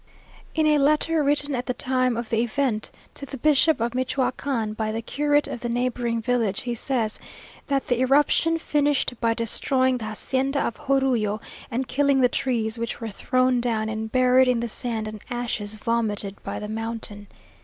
In a letter written at the time of the event to the bishop of Michioacán by the curate of the neighbouring village, he says, that the eruption finished by destroying the hacienda of Jorullo, and killing the trees, which were thrown down and buried in the sand and ashes vomited by the mountain.